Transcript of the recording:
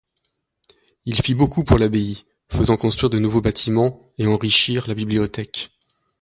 Il fit beaucoup pour l'abbaye, faisant construire de nouveaux bâtiments et enrichir la bibliothèque.